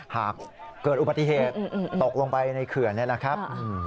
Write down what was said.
หากเกิดอุบัติเหตุตกลงไปในเขื่อนนี่นะครับ